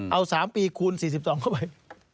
เอา๓ปีคูณ๔๒เข้าไป